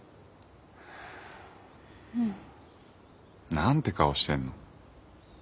何て顔してんの。